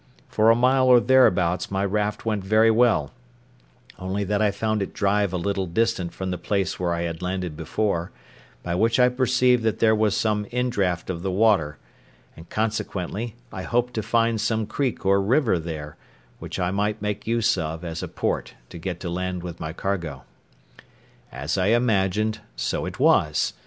For a mile or thereabouts my raft went very well, only that I found it drive a little distant from the place where I had landed before; by which I perceived that there was some indraft of the water, and consequently I hoped to find some creek or river there, which I might make use of as a port to get to land with my cargo. As I imagined, so it was.